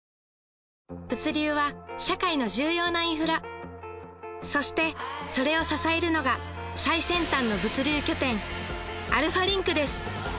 物流は社会の重要なインフラそしてそれを支えるのが最先端の物流拠点アルファリンクです